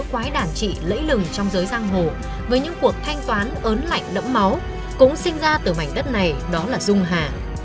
quái đàn trị lẫy lừng trong giới giang hồ với những cuộc thanh toán ớn lạnh đẫm máu cũng sinh ra từ mảnh đất này đó là dung hà